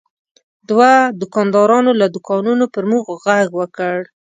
دوه دوکاندارانو له دوکانونو پر موږ غږ وکړ.